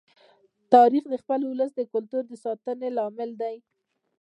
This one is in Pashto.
تاریخ د خپل ولس د کلتور د ساتنې لامل دی.